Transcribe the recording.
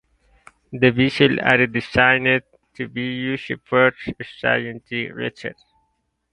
The vessels are designed to be used for scientific research.